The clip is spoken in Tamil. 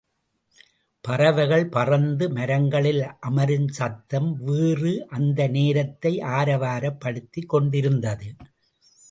பறவைகள் பறந்து மரங்களில் அமரும் சத்தம் வேறு அந்த நேரத்தை ஆரவாரப் படுத்திக் கொண்டிருந்தது.